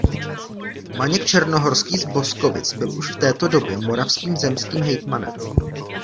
Vaněk Černohorský z Boskovic byl už v této době moravským zemským hejtmanem.